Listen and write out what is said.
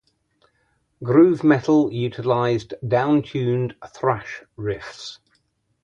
Groove metal utilizes downtuned thrash riffs.